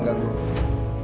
gak usah ketinggian